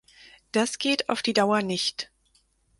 Das geht auf die Dauer nicht!